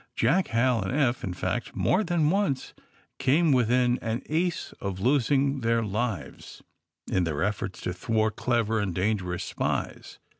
Jack, Hal and Eph, in fact, more than once came within an ace of losing their lives in their efforts to thwart clever and dangerous spies.